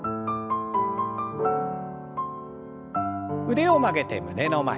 腕を曲げて胸の前。